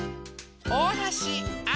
おおはしあ